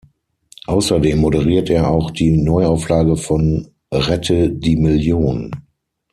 Außerdem moderiert er auch die Neuauflage von Rette die Million!